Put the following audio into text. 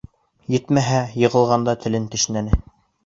Етмәһә, йығылғанда телен тешләне.